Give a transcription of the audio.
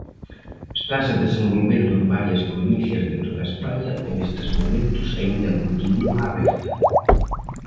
Estase desenvolvendo en varias provincias de toda España e nestes momentos aínda continúa aberta.